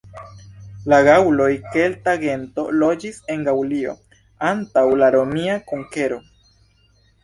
La gaŭloj -kelta gento- loĝis en Gaŭlio antaŭ la romia konkero.